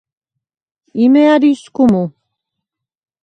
იმ’ა̄̈̈რი ისგუ მუ?